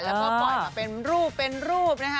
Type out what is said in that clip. แล้วก็ปล่อยมาเป็นรูปนะฮะ